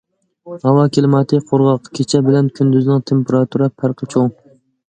ھاۋا كىلىماتى قۇرغاق، كېچە بىلەن كۈندۈزنىڭ تېمپېراتۇرا پەرقى چوڭ.